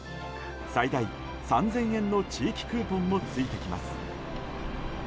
最大３０００円の地域クーポンもついてきます。